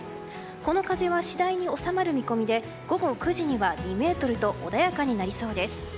この風は次第に収まる見込みで午後９時には２メートルと穏やかになりそうです。